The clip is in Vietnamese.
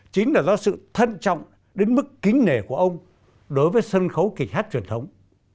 chính là do sự thân trọng đến mức kính nể của ông đối với sân khấu kịch hát truyền thống